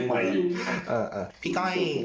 พี่ก้อย